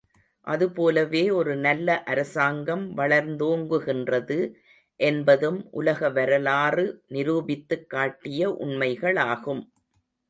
அது போலவே, ஒரு நல்ல அரசாங்கம் வளர்ந்தோங்குகின்றது, என்பதும் உலக வரலாறு நிரூபித்துக் காட்டிய உண்மைகளாகும்.